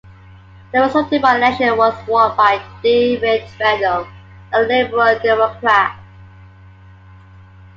The resulting by-election was won by David Rendel, a Liberal Democrat.